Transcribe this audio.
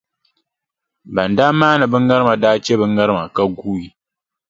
Ban daa maani bɛ ŋarima daa che bɛ ŋarima ka guui.